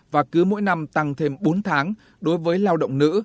và cứ mỗi năm tăng thêm bốn tháng đối với lao động nữ